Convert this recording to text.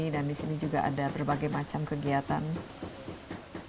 dan di sini juga ada berbagai macam kegiatan